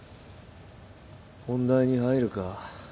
本題に入るか。